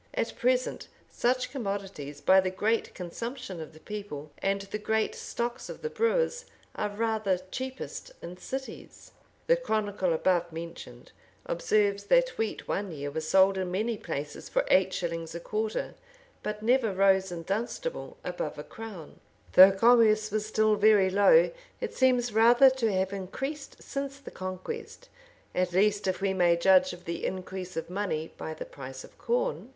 At present, such commodities, by the great consumption of the people, and the great stocks of the brewers, are rather cheapest in cities. The Chronicle above mentioned observes, that wheat one year was sold in many places for eight shillings a quarter, but never rose in Dunstable above a crown. * So also Knyghton, p. 2444. Though commerce was still very low, it seems rather to have increased since the conquest; at least, if we may judge of the increase of money by the price of corn.